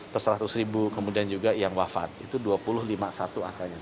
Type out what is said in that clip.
per seratus ribu kemudian juga yang wafat itu dua puluh lima satu angkanya